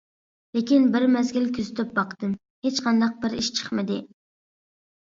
لېكىن بىر مەزگىل كۆزىتىپ باقتىم ھېچقانداق بىر ئىش چىقمىدى.